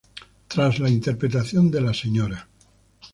Tras la interpretación de la "sra.